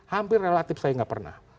hampir relatif saya nggak pernah